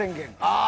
ああ。